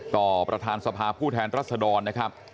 ประธานสภาผู้แทนรัศดรนะครับ